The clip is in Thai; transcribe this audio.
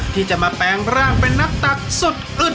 ที่จะมาแปลงร่างเป็นนักตักสุดอึด